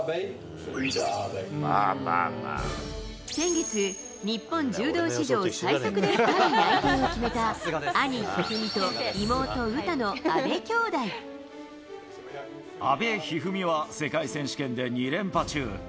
先月、日本柔道史上最速でパリ内定を決めた兄、一二三と、妹、阿部一二三は、世界選手権で２連覇中。